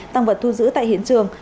tăng vật thu giữ tại hiện trường